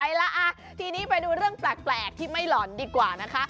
เอาล่ะทีนี้ไปดูเรื่องแปลกที่ไม่หล่อนดีกว่านะคะ